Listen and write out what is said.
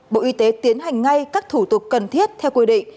bộ y tế tiến hành ngay các thủ tục cần thiết theo quy định